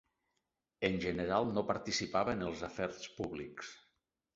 En general no participava en els afers públics.